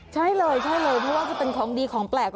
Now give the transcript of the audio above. ใช่เลยเพราะว่าเป็นของดีของแปลก